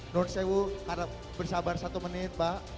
nur sewu harus bersabar satu menit pak